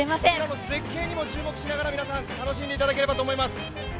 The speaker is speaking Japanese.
絶景にも注目しながら皆さん楽しんでいただけたらと思います。